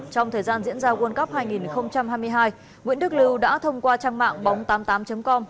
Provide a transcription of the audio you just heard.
vào world cup hai nghìn hai mươi hai nguyễn đức lưu đã thông qua trang mạng bóng tám mươi tám com